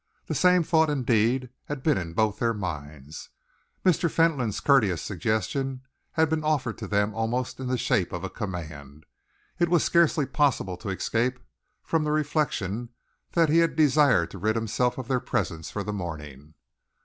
The same thought, indeed, had been in both their minds. Mr. Fentolin's courteous suggestion had been offered to them almost in the shape of a command. It was scarcely possible to escape from the reflection that he had desired to rid himself of their presence for the morning.